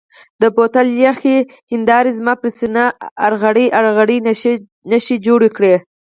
د بوتل یخې شیشې زما پر سینه ارغړۍ ارغړۍ نښې جوړې کړې.